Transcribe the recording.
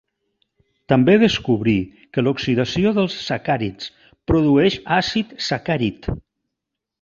També descobrí que l'oxidació dels sacàrids produeix àcid sacàrid.